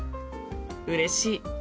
うれしい。